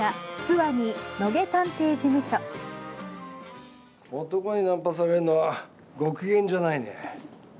男にナンパされるのはご機嫌じゃないねえ。